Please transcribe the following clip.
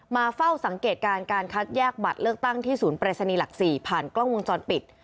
มาเฝ้าสังเกตการณ์การคัดแยกบัตรเลือกตั้งที่ศูนย์ปรายศนีย์หลัก๔ผ่านกล้องวงจรปิด